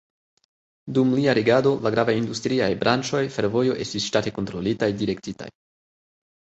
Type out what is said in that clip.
Dum lia regado, la gravaj industriaj branĉoj, fervojo estis ŝtate kontrolitaj, direktitaj.